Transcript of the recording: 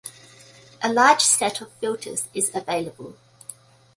A large set of filters is available.